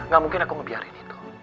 gak mungkin aku ngebiarin itu